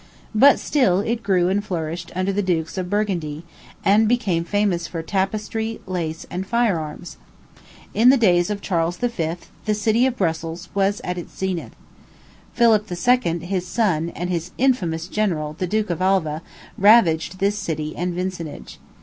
But still it grew and flourished under the dukes of Burgundy, and became famous for tapestry, lace, and fire arms. In the days of Charles V., the city of Brussels was at its zenith. Philip II., his son, and his infamous general, the Duke of Alva, ravaged this city and vicinage.